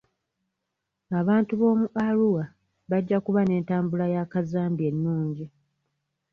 Abantu b'omu Arua bajja kuba n'entambula ya kazambi ennungi.